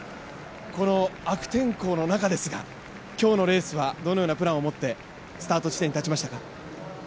この悪天候の中ですが、今日のレースはどのようなプランを持ってスタート地点に立ちましたか？